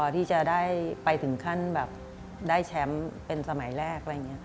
ที่จะได้ไปถึงขั้นแชมป์เป็นสมัยแรก